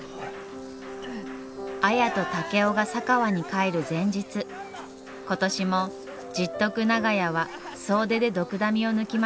綾と竹雄が佐川に帰る前日今年も十徳長屋は総出でドクダミを抜きました。